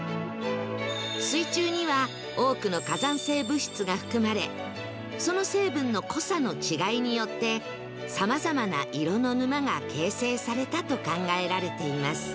水中には多くの火山性物質が含まれその成分の濃さの違いによってさまざまな色の沼が形成されたと考えられています